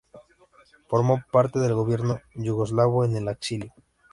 Formó parte del Gobierno yugoslavo en el exilio.